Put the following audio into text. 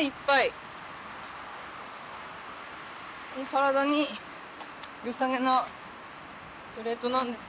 体に良さげなプレートなんですよ